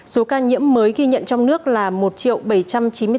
số ca nhiễm mới ghi nhận trong nước là một bảy trăm chín mươi bốn tám trăm sáu mươi sáu ca